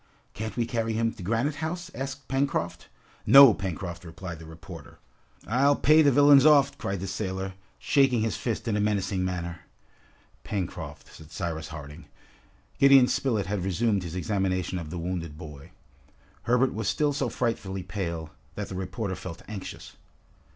can't we carry him to Granite House?" asked Pencroft. "No, Pencroft," replied the reporter. "I'll pay the villains off!" cried the sailor, shaking his fist in a menacing manner. "Pencroft!" said Cyrus Harding. Gideon Spilett had resumed his examination of the wounded boy. Herbert was still so frightfully pale, that the reporter felt anxious.